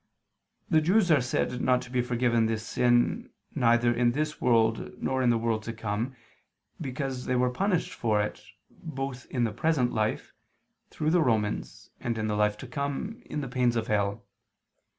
the Jews are said not to be forgiven this sin, neither in this world nor in the world to come, because they were punished for it, both in the present life, through the Romans, and in the life to come, in the pains of hell.